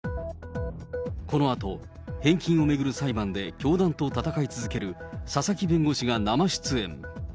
このあと、返金を巡る裁判で教団と戦い続ける、佐々木弁護士が生出演。